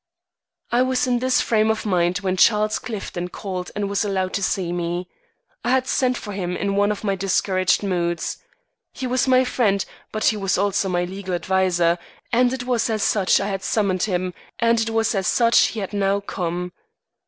I was in this frame of mind when Charles Clifton called and was allowed to see me. I had sent for him in one of my discouraged moods. He was my friend, but he was also my legal adviser, and it was as such I had summoned him, and it was as such he had now come.